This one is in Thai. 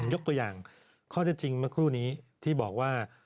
ยกตัวอย่างข้อเท็จจริงเมื่อครู่นี้ที่บอกว่า